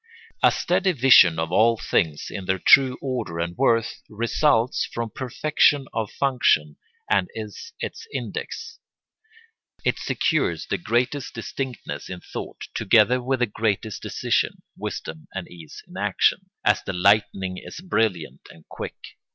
A steady vision of all things in their true order and worth results from perfection of function and is its index; it secures the greatest distinctness in thought together with the greatest decision, wisdom, and ease in action, as the lightning is brilliant and quick.